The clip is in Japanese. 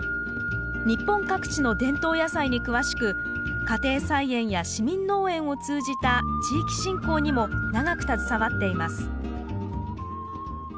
日本各地の伝統野菜に詳しく家庭菜園や市民農園を通じた地域振興にも長く携わっています